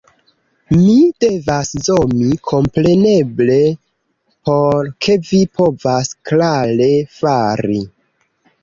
Mi devas zomi, kompreneble, por ke vi povas klare fari